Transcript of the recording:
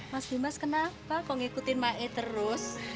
mas dimas kenapa kau ngikutin ma'e terus